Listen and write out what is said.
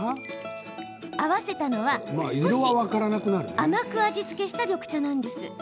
合わせたのは少し甘く味付けした緑茶です。